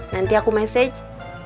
nanti aku message